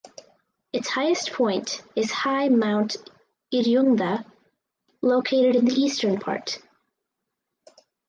Is highest point is high Mount Iryungda located in the eastern part.